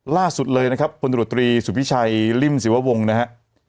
ล่าสุดเลยนะครับพลตรวจตรีสุพิชัยริมศิววงศ์นะฮะ